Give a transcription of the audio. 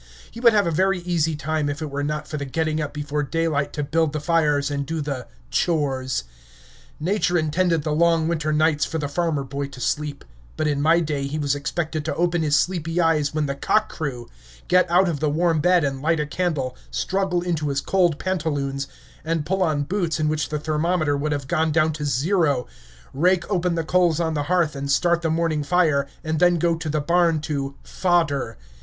He would have a very easy time if it were not for the getting up before daylight to build the fires and do the "chores." Nature intended the long winter nights for the farmer boy to sleep; but in my day he was expected to open his sleepy eyes when the cock crew, get out of the warm bed and light a candle, struggle into his cold pantaloons, and pull on boots in which the thermometer would have gone down to zero, rake open the coals on the hearth and start the morning fire, and then go to the barn to "fodder."